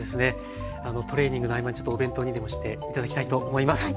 トレーニングの合間にちょっとお弁当にでもして頂きたいと思います。